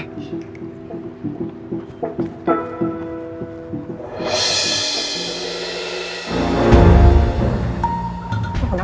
udah gak usah